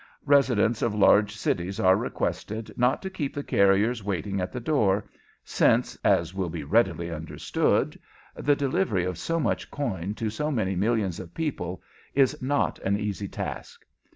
Residents of large cities are requested not to keep the carriers waiting at the door, since, as will be readily understood, the delivery of so much coin to so many millions of people is not an easy task.